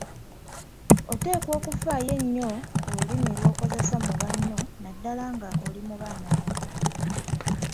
Oteekwa okufaayo ennyo ku lulimi lw'okozesa mu banno naddala nga oli mu baana abato.